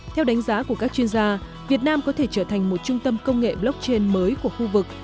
theo đánh giá của các chuyên gia việt nam có thể trở thành một trung tâm công nghệ blockchain mới của khu vực